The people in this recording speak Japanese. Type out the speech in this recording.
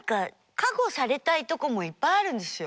加護されたいとこもいっぱいあるんですよ。